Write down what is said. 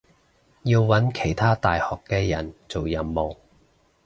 要搵其他大學嘅人做任務